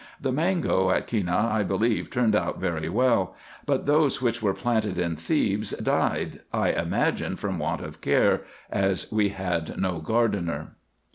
The mango at Kenneh I believe turned out very well ; but those winch were planted in Thebes died, I imagine from want of care, as we had no gardener.